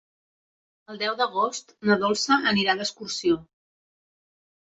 El deu d'agost na Dolça anirà d'excursió.